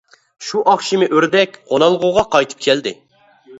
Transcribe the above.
شۇ ئاخشىمى ئۆردەك قونالغۇغا قايتىپ كەلدى.